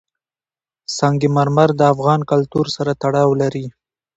سنگ مرمر د افغان کلتور سره تړاو لري.